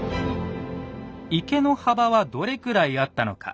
池の幅はどれくらいあったのか。